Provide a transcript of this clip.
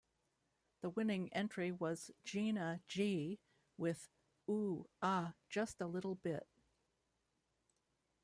The winning entry was Gina G with "Ooh Aah... Just a Little Bit".